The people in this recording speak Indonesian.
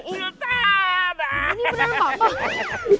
ini beneran papa